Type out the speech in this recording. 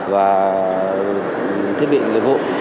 và thiết bị lực vụ